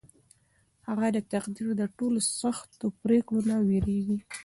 هغه د تقدیر له ټولو سختو پرېکړو نه وېرېږي.